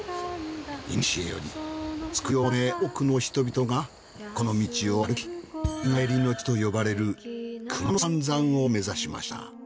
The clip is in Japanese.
いにしえより救いを求め多くの人々がこの道を歩きよみがえりの地と呼ばれる熊野三山を目指しました。